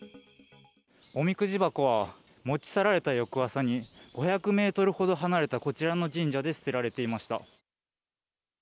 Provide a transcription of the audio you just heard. おみくじ箱は持ち去られた翌朝に、５００メートルほど離れたこちらの神社で捨てられていまし